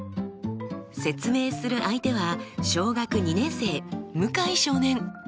説明する相手は小学２年生向井少年。